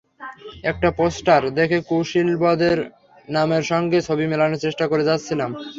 একটা পোস্টার দেখে কুশীলবদের নামের সঙ্গে ছবি মিলানোর চেষ্টা করে যাচ্ছিলাম।